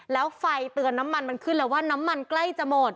แล้วไฟเตือนน้ำมันมันขึ้นเลยว่าน้ำมันใกล้จะหมด